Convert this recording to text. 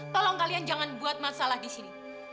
tolong kalian jangan buat masalah disini